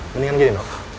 mendingan gini no